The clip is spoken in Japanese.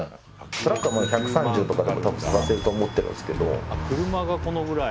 トラックは１３０とかで探せると思ってるんですけど。